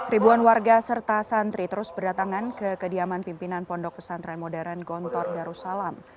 ribuan warga serta santri terus berdatangan ke kediaman pimpinan pondok pesantren modern gontor darussalam